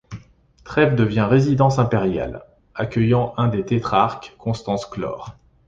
Trèves devient résidence impériale, accueillant un des tétrarques, Constance Chlore.